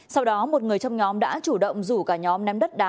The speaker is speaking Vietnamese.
sau đó một người trong nhóm đã chủ động rủ cả nhóm ném đất đá